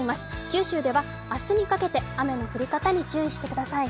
九州では明日にかけて雨の降り方に注意してください。